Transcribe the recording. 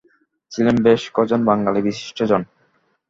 ছিলেন বেশ কজন বাঙালি বিশিষ্ট জন।